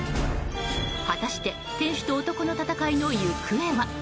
果たして店主と男の戦いの行方は？